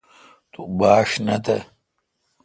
تو باݭ نہ تھ۔